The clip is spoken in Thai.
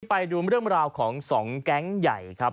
ไปดูเรื่องราวของ๒แก๊งใหญ่ครับ